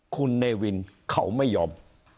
คุณเนวินเขาไม่ยอม